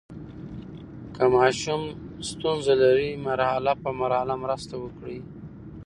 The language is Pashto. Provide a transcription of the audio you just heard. که ماشوم ستونزه لري، مرحله په مرحله مرسته وکړئ.